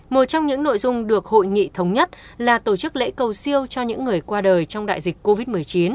một trong những nội dung được hội nghị thống nhất là tổ chức lễ cầu siêu cho những người qua đời trong đại dịch covid một mươi chín